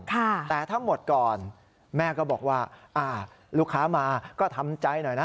แต่ทั้งหมดก่อนแม่ก็บอกว่าอ่าลูกค้ามาก็ทำใจหน่อยนะ